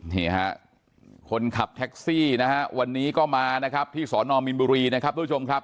นี่ฮะคนขับแท็กซี่นะฮะวันนี้ก็มานะครับที่สอนอมินบุรีนะครับทุกผู้ชมครับ